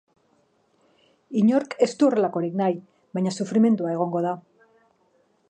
Inork ez du horrelakorik nahi, baina sufrimendua egongo da.